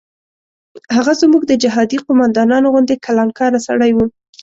هغه زموږ د جهادي قوماندانانو غوندې کلانکاره سړی و.